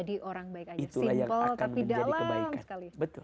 simpel tapi dalam sekali